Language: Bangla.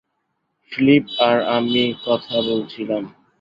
ফিলিপ আর আমি কথা বলছিলাম।